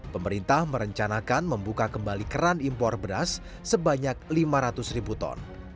pemerintah merencanakan membuka kembali keran impor beras sebanyak lima ratus ribu ton